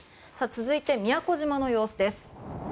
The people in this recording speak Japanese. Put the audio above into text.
続いて、宮古島の様子です。